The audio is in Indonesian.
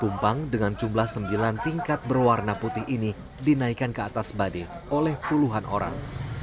tumpang dengan jumlah sembilan tingkat berwarna putih ini dinaikkan ke atas badai oleh puluhan orang